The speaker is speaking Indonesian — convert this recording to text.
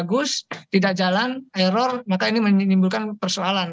bagus tidak jalan error maka ini menimbulkan persoalan